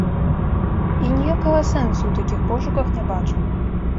Я ніякага сэнсу ў такіх пошуках не бачу.